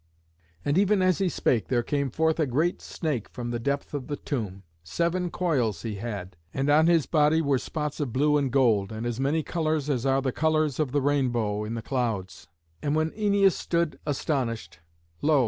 And even as he spake there came forth a great snake from the depth of the tomb. Seven coils he had, and on his body were spots of blue and gold, and as many colours as are the colours of the rainbow in the clouds. And when Æneas stood astonied, lo!